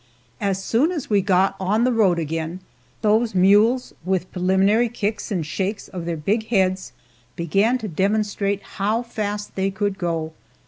As soon as we got on the road again, those mules, with preliminary kicks and shakes of their big heads, began to demonstrate how fast they could go.